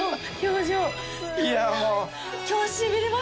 いやもう。